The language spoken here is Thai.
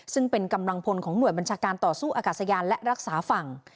ซึ่งเป็นกำลังพลของหน่วยบัญชาการต่อสู้อากาศยานและรักษาฝั่ง